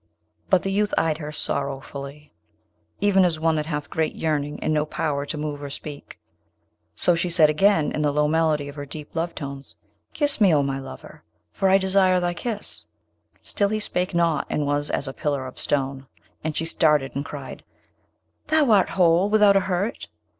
But the youth eyed her sorrowfully, even as one that hath great yearning, and no power to move or speak. So she said again, in the low melody of deep love tones, 'Kiss me, O my lover! for I desire thy kiss.' Still he spake not, and was as a pillar of stone. And she started, and cried, 'Thou art whole? without a hurt?'